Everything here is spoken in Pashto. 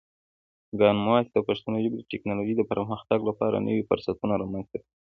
کامن وایس د پښتو ژبې د ټکنالوژۍ د پرمختګ لپاره نوی فرصتونه رامنځته کوي.